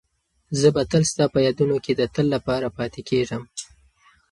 زه به تل ستا په یادونو کې د تل لپاره پاتې کېږم.